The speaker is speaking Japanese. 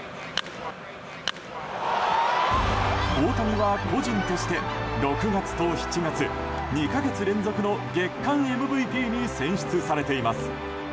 大谷は個人として６月と７月２か月連続の月間ＭＶＰに選出されています。